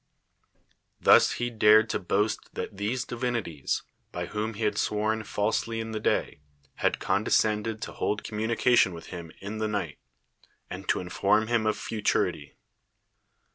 Thus he dared to boast that these divinities, by whom he had sworn falsely in the day, had condescended to hold communication with him in the night, and to inform him of futurity.